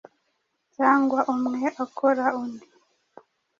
cyangwa umwe akora undi